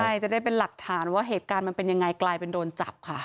ใช่จะได้เป็นหลักฐานว่าเหตุการณ์มันเป็นยังไงกลายเป็นโดนจับค่ะ